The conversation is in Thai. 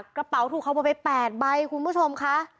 กระเป๋าถูกขโมยไป๘ใบคุณผู้ชมค่ะ